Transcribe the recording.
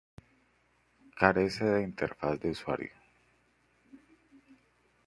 Carece de interfaz de usuario.